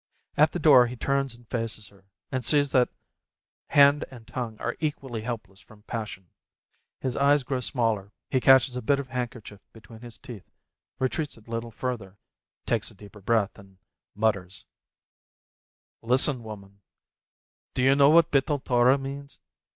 At the door he turns and faces her, and sees that hand and tongue are equally helpless from passion; his eyes grow smaller; he catches a bit of handkerchief between his teeth, retreats a little further, takes a deeper breath, and mutters : "Listen, woman, do you know what Bittul Torah means?